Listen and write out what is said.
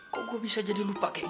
kok gue bisa jadi lupa kayak